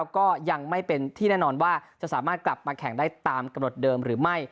ก็ยังไม่เป็นที่แน่นอนว่าจะสามารถกลับมาแข่งได้ตามกำหนดเดิมหรือไม่